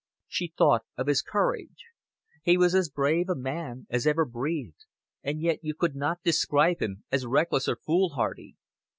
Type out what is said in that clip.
She thought of his courage. He was as brave a man as ever breathed, and yet you could not describe him as reckless or foolhardy.